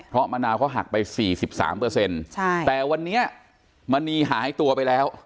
เพราะมะนาวเขาหักไป๔๓